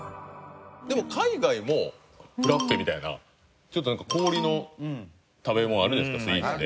でも海外もフラッペみたいな氷の食べ物あるじゃないですかスイーツで。